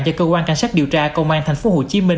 do cơ quan cảnh sát điều tra công an tp hcm